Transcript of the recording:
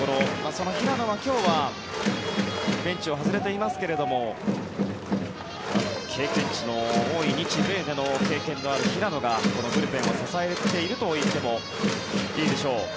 その平野は、今日はベンチを外れていますけれども経験値の多い日米での経験のある平野がこのブルペンを支えているといってもいいでしょう。